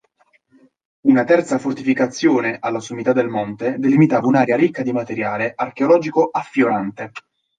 Una terza fortificazione alla sommità del monte delimitava un'area ricca di materiale archeologico affiorante.